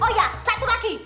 oh ya satu lagi